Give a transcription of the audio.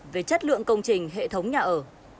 về chất lượng công trình hệ thống nhà ở